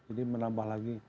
jadi menambah lagi